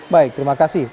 baik terima kasih